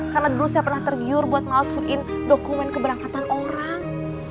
karena dulu saya pernah tergiur buat ngalsuin dokumen keberangkatan orang